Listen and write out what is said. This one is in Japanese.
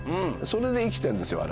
それで生きてんですよ